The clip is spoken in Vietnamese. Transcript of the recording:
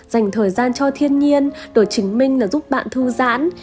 dành thời gian cho thiên nhiên rồi chứng minh là giúp bạn thư giãn